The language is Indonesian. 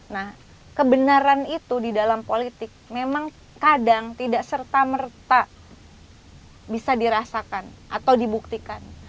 nah kebenaran itu di dalam politik memang kadang tidak serta merta bisa dirasakan atau dibuktikan